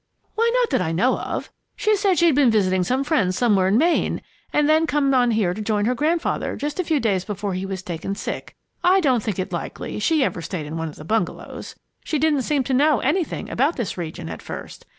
"Why, not that I know of. She said she'd been visiting some friends somewhere in Maine, and then come on here to join her grandfather just a few days before he was taken sick. I don't think it likely she ever stayed in one of the bungalows. She didn't seem to know anything about this region at first.